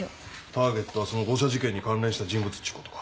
ターゲットはその誤射事件に関連した人物っちゅうことか。